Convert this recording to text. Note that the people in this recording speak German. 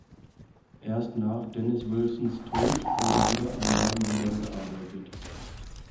Erst nach Dennis Wilsons Tod wurde wieder an neuen Liedern gearbeitet.